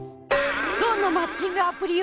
どんなマッチングアプリよ。